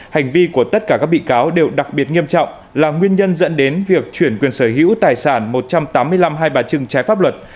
hành vi của tất cả các bị cáo đều đặc biệt nghiêm trọng là nguyên nhân dẫn đến việc chuyển quyền sở hữu tài sản một trăm tám mươi năm hai bà trưng trái pháp luật